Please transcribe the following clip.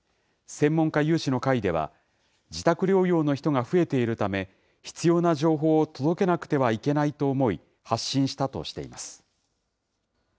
専門家有志の会では、自宅療養の人が増えているため、必要な情報を届けなくてはいけないと思い、発信したとしています。